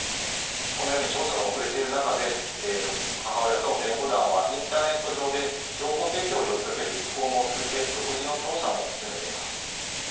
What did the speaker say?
このように調査が遅れている中で、母親と弁護団はインターネット上で情報提供を呼びかけるフォームを作って独自の調査も進めています。